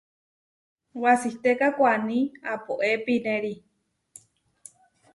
Wasitéka koaní apoé pinéri.